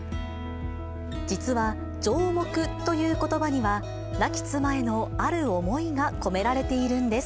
実は、情黙ということばには亡き妻へのある思いが込められているんです。